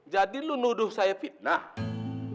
jadi lu nuduh saya fitnah